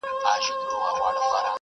که غیرت وي نو سر نه ټیټیږي.